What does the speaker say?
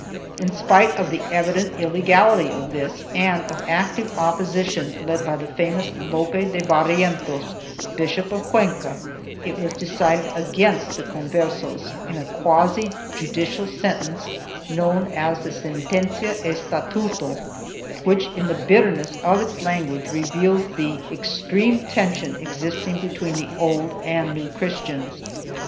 In spite of the evident illegality of this and of active opposition led by the famous Lope de Barrientos, Bishop of Cuenca, it was decided against the Conversos in a quasi judicial sentence, known as the Sentencia E statute which, in the bitterness of its language, reveals the extreme tension existing between the Old and New Christians.